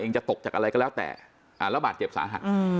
จะตกจากอะไรก็แล้วแต่ระบาดเจ็บสาหัส